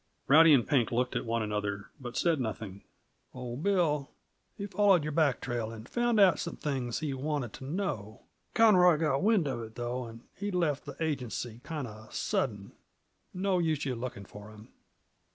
Rowdy and Pink looked at one another, but said nothing. "Old Bill, he follered your back trail and found out some things he wanted t' know. Conroy got wind of it, though, and he left the agency kind a suddint. No use yuh lookin' for him."